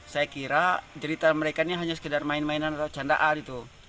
saya kira cerita mereka ini hanya sekedar main mainan atau candaan itu